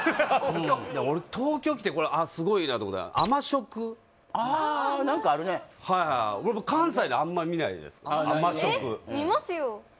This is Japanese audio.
俺東京来てすごいなと思ったのが甘食ああー何かあるね関西ではあんまり見ないじゃないですか甘食見ますよ